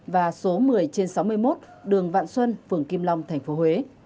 và số một mươi trên sáu mươi một đường vạn xuân phường kim long tp huế